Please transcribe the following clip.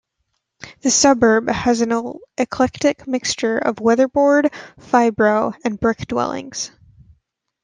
The suburb has an eclectic mixture of weatherboard, fibro and brick dwellings.